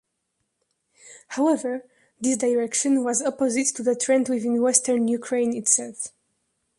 However, this direction was opposite to the trend within western Ukraine itself.